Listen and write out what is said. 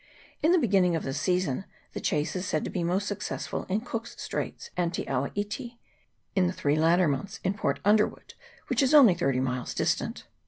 In the beginning of the season the chase is said to be most successful in Cook's Straits and Te awa iti ; in the three latter months in Port Underwood, which is only thirty miles distant.